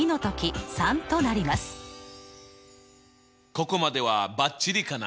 ここまではバッチリかな？